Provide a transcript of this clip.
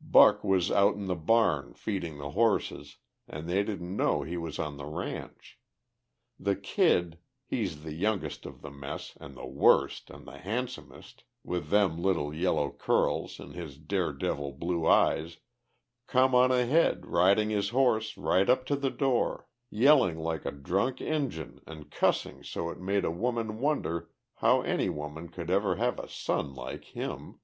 Buck was out in the barn, feeding the horses, an' they didn't know he was on the ranch. The Kid, he's the youngest of the mess an' the worst an' the han'somest, with them little yeller curls, an' his daredevil blue eyes, come on ahead, riding his horse right up to the door, yelling like a drunk Injun an' cussing so it made a woman wonder how any woman could ever have a son like him.